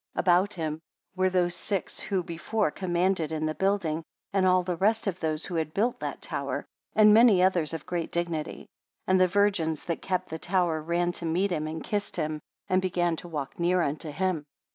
50 About him were those six, who before commanded in the building, and all the rest of those who had built that tower, and many others of great dignity: and the virgins that kept the tower ran to meet him, and kissed him, and began to walk near unto him.